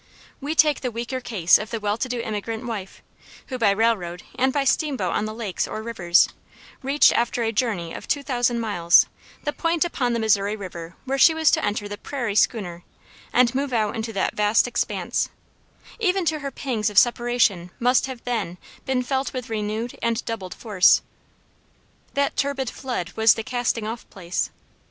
We take the weaker case of the well to do immigrant wife who, by railroad, and by steamboat on the lakes or rivers, reached, after a journey of two thousand miles, the point upon the Missouri River where she was to enter the "prairie schooner" and move out into that vast expanse; even to her the pangs of separation must have then been felt with renewed and redoubled force. That "turbid flood" was the casting off place.